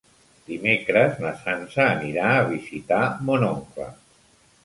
Dimecres na Sança anirà a visitar mon oncle.